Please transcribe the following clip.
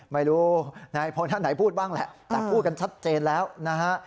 ไม่รู้นายพลท่านไหนพูดบ้างแหละแต่พูดกันชัดเจนแล้วนะฮะ